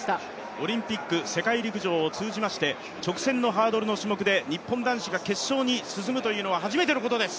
オリンピック、世界陸上を通じまして直線のハードルの種目で日本男子が決勝に進むというのは初めてのことです。